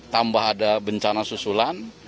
tambah ada bencana susulan